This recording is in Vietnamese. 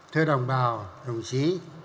thưa đồng bào đồng chí